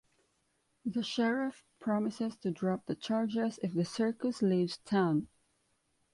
The Sheriff promises to drop the charges if the circus leaves town.